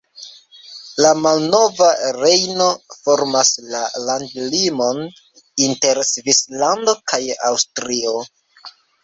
La Malnova Rejno formas la landlimon inter Svislando kaj Aŭstrio.